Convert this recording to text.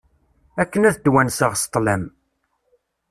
Akken ad twenseɣ s ṭlam.